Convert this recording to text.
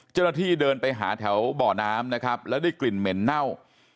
เจ้าหน้าที่เดินไปหาแถวบ่อน้ำนะครับแล้วได้กลิ่นเหม็นเน่า